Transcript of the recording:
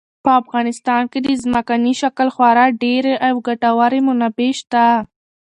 په افغانستان کې د ځمکني شکل خورا ډېرې او ګټورې منابع شته.